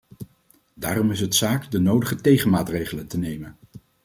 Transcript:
Daarom is het zaak de nodige tegenmaatregelen te nemen.